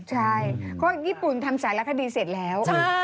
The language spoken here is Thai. ใช่เพราะญี่ปุ่นทำสารคดีเสร็จแล้ว